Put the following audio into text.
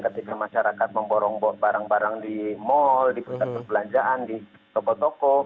ketika masyarakat memborong barang barang di mal di pusat perbelanjaan di toko toko